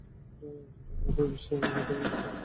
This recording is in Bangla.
আরও পরে এই বিষয়ে কথা বলতে চেয়েছি।